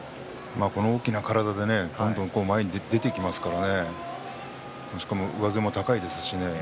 この大きな体でねどんどん前に出てきますからね上背も高いですしね。